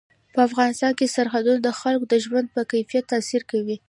په افغانستان کې سرحدونه د خلکو د ژوند په کیفیت تاثیر کوي.